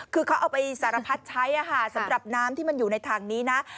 คือเขาเอาไปสารพัดใช้สำหรับน้ำที่มันอยู่ในถังนี้นะ